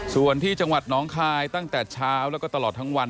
ส่วนที่จังหวัดน้องคายตั้งแต่เช้าแล้วก็ตลอดทั้งวัน